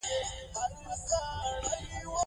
لوستې نجونې د ګډو پرېکړو ارزښت پالي.